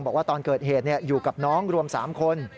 บอกว่าตอนเกิดเหตุอยู่กับน้องรวม๓คน